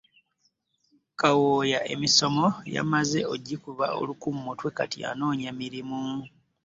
Kawooya emisomo yamaze okugikuba oluku mu mutwe kati anoonya mirimu.